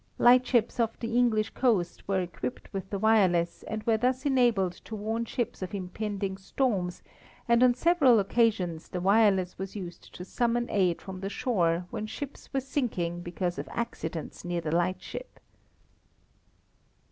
Lightships off the English coast were equipped with the wireless and were thus enabled to warn ships of impending storms, and on several occasions the wireless was used to summon aid from the shore when ships were sinking because of accidents near the lightship.